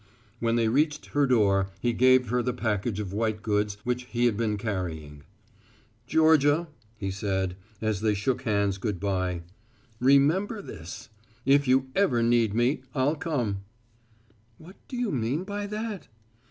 When they reached her door he gave her the package of white goods which he had been carrying. "Georgia," he said, as they shook hands good bye, "remember this if you ever need me, I'll come." "What do you mean by that?"